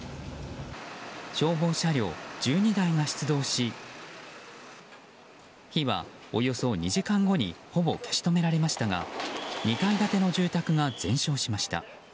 消防車両１２台が出動し火はおよそ２時間後にほぼ消し止められましたが２階建ての住宅が全焼しました。